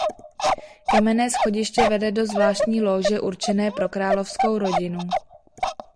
Kamenné schodiště vede do zvláštní lóže určené pro královskou rodinu.